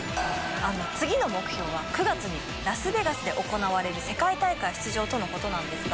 次の目標は９月にラスベガスで行われる世界大会出場との事なのですがなんと現在は。